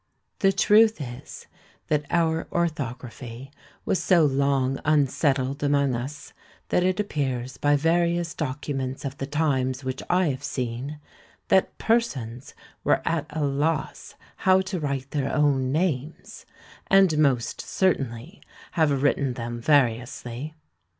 The truth is, that our orthography was so long unsettled among us, that it appears by various documents of the times which I have seen, that persons were at a loss how to write their own names, and most certainly have written them variously.